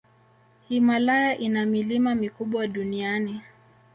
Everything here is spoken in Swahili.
Himalaya ina milima mikubwa duniani.